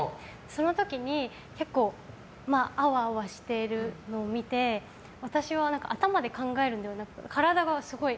その時に、結構あわあわしているのを見て私は、頭で考えるんではなくて体が、すごい。